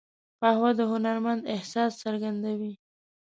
قهوه د هنرمند احساس څرګندوي